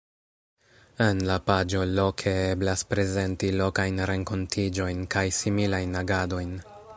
En la paĝo Loke eblas prezenti lokajn renkontiĝojn kaj similajn agadojn.